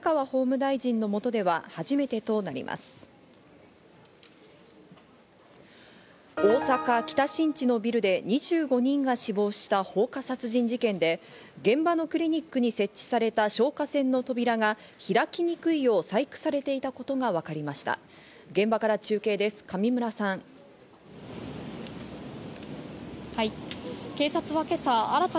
大阪・北新地のビルで２５人が死亡した放火殺人事件で、現場のクリニックに設置された消火栓の扉が開きにくいよう細工されていたことがわかりました。